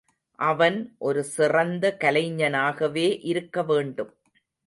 அவன் ஒரு சிறந்த கலைஞனாகவே இருக்க வேண்டும்.